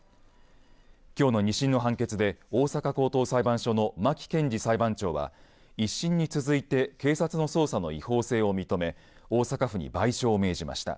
きょうの２審の判決で大阪高等裁判所の牧賢二裁判長は１審に続いて警察の捜査の違法性を認め大阪府に賠償を命じました。